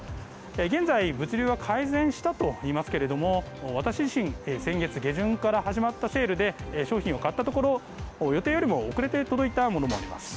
現在、物流は改善したといいますけれども私自身、先月下旬から始まったセールで商品を買ったところ予定よりも遅れて届いたものもあります。